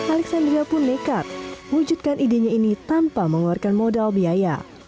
alexandria pun nekat mewujudkan idenya ini tanpa mengeluarkan modal biaya